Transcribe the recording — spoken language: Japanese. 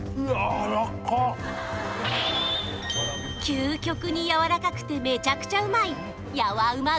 究極にやわらかくてめちゃくちゃうまいヤワうま